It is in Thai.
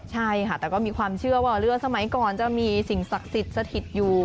ใช่ค่ะแต่ก็มีความเชื่อว่าเรือสมัยก่อนจะมีสิ่งศักดิ์สิทธิ์สถิตอยู่